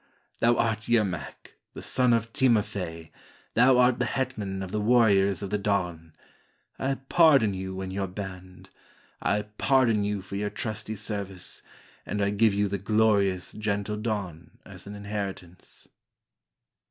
thou art Yermak, the son of Timofey, Thou art the hetman of the warriors of the Don. I pardon you and your band, I pardon you for your trusty service, And I give you the glorious gentle Don as an inheritance."